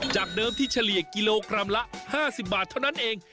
จากเดิมที่เฉลี่ยกิโลกรัมละ๕๐บาทเท่านั้นเอง